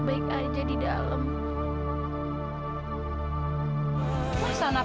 aduh sekarang malah dia pangino